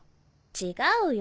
違うよ